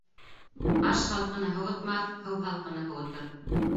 Аш һалҡыны һыуытмаҫ, һыу һалҡыны һыуытыр.